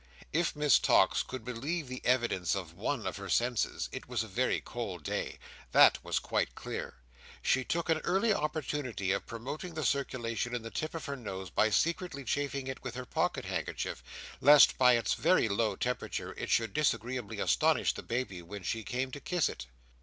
If Miss Tox could believe the evidence of one of her senses, it was a very cold day. That was quite clear. She took an early opportunity of promoting the circulation in the tip of her nose by secretly chafing it with her pocket handkerchief, lest, by its very low temperature, it should disagreeably astonish the baby when she came to kiss it.